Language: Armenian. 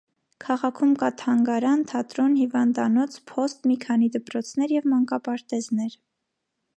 Քաղաքում կա թանգարան, թատրոն, հիվանդանոց, փոստ, մի քանի դպրոցներ և մանկապարտեզներ։